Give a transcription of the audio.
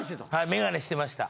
眼鏡してました。